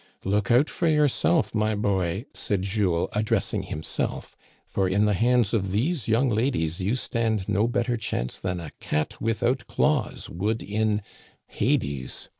"Look out for yourself, my boy," said Jules, ad dressing himself, " for in the hands of these young ladies you stand no better chance than a cat without claws would in — hades!